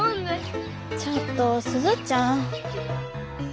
ちょっと鈴ちゃん。